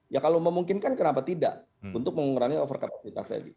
ya kalau memungkinkan kenapa tidak untuk mengurangi over kapasitas tadi